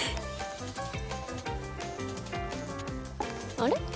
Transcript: あれ？